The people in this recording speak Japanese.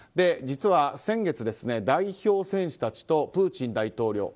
実は先月、代表選手たちとプーチン大統領